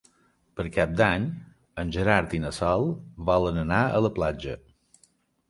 Per Cap d'Any en Gerard i na Sol volen anar a la platja.